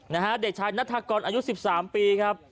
นะฮะเด็กชายนัตรากรอายุ๑๓ปีครับ